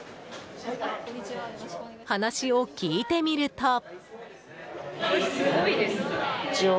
話を聞いてみると。